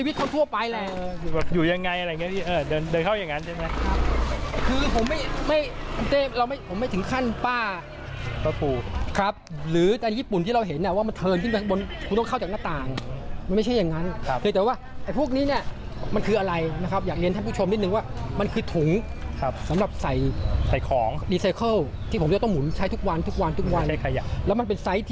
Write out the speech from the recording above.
ต้องหมุนใช้ทุกวันแล้วมันเป็นไซส์ที่ใหญ่ใช่ค่ะ